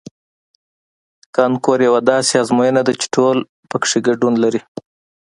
کانکور یوه داسې ازموینه ده چې ټول پکې ګډون لري